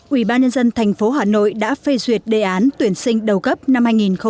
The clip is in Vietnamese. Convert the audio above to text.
ubnd tp hà nội đã phê duyệt đề án tuyển sinh đầu cấp năm hai nghìn một mươi tám